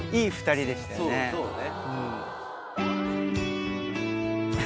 そうね。